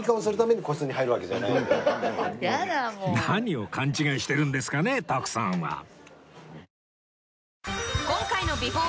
何を勘違いしてるんですかね徳さんは